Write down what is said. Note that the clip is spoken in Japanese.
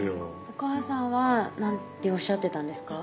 お母さんは何ておっしゃってたんですか？